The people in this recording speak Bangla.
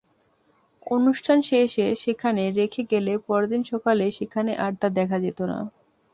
অনুষ্ঠান শেষে সেখানে রেখে গেলে পরদিন সকালে সেখানে আর তা দেখা যেত না।